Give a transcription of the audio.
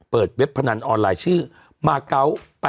เว็บพนันออนไลน์ชื่อมาเกาะ๘๘